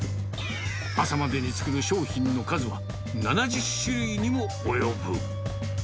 朝までに作る商品の数は、７０種類にも及ぶ。